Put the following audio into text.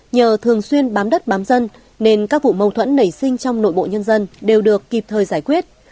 nhờ thường xuyên bám đất bám dân nên các vụ mâu thuẫn nảy sinh trong nội bộ nhân dân đều được kịp thời giải quyết